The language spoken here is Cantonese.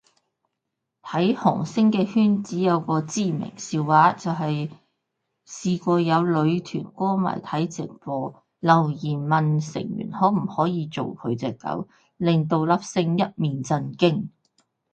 睇韓星嘅圈子有個知名笑話，就係試過有女團歌迷睇直播，留言問成員可唔可以做佢隻狗，令到粒星一面震驚